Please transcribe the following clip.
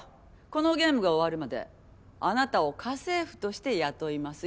このゲームが終わるまであなたを家政婦として雇います。